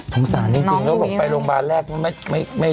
โทรศานต์จริงแล้วก็ต้องไปโรงบาลแรกไม่ได้